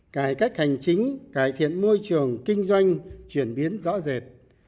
cải cách hành chính cải thiện môi trường kinh doanh chuyển biến rõ rệt